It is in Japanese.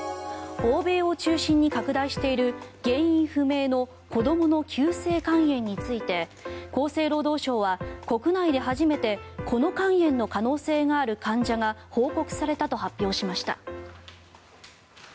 欧米を中心に拡大している原因不明の子どもの急性肝炎について厚生労働省は国内で初めてこの肝炎の可能性がある患者が報告されたと発表しました。